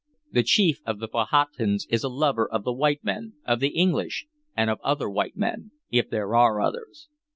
The chief of the Powhatans is a lover of the white men, of the English, and of other white men, if there are others.